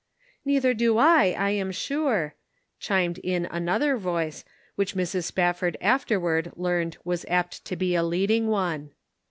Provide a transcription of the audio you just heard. "Neither do I, I am sure," chimed in another voice, which Mrs. Spafford afterward learned was apt to be a leading one.